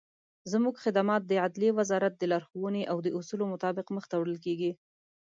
زموږخدمات دعدلیي وزارت دلارښووني او داصولو مطابق مخته وړل کیږي.